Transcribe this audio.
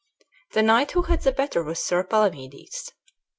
The knight who had the better was Sir Palamedes.